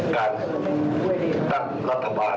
การตั้งรัฐบาล